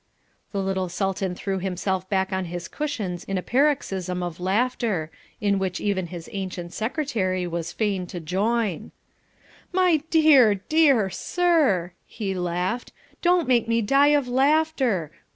The little Sultan threw himself back on his cushions in a paroxysm of laughter, in which even his ancient Secretary was feign to join. "My dear sir, my dear sir!" he laughed, "don't make me die of laughter.